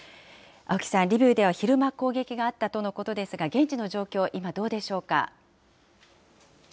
青木さん、リビウでは昼間、攻撃があったとのことですが、現地の状況、今、どうでしょうか。